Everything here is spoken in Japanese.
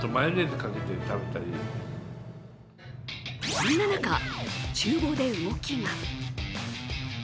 そんな中、ちゅう房で動きが。